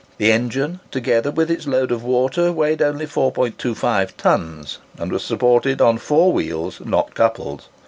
The engine, together with its load of water, weighed only 4¼ tons, and was supported on four wheels, not coupled.